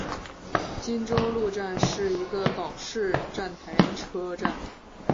金周路站是一个岛式站台车站。